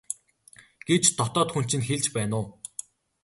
гэж дотоод хүн чинь хэлж байна уу?